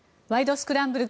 スクランブル」